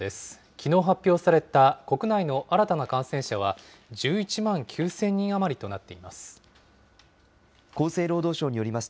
きのう発表された国内の新たな感染者は、１１万９０００人余りとなっています。